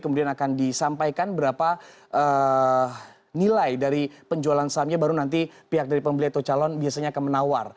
kemudian akan disampaikan berapa nilai dari penjualan sahamnya baru nanti pihak dari pembeli atau calon biasanya akan menawar